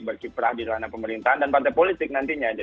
berkiprah di ranah pemerintahan dan partai politik nantinya